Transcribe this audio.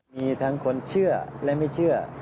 มีทั้งคนเชื่อและไม่เชื่อ